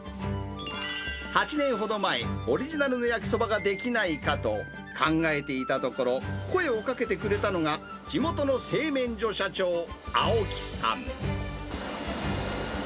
８年ほど前、オリジナルの焼きそばができないかと考えていたところ、声をかけてくれたのが、地元の製麺所社長、青木さん。